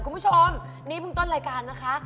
คุณผู้ชมนี่เพิ่งต้นรายการนะคะ